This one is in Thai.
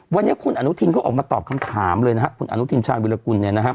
วันนี้คุณอนุทินก็ออกมาตอบคำถามเลยนะครับคุณอนุทินชาววิรกุล